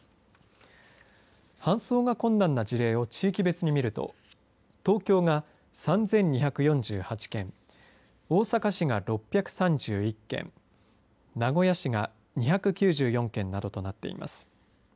搬送が困難な事例を地域別に見ると東京が３２４８件大阪市が６３１件名古屋市が２９４件などとなっています。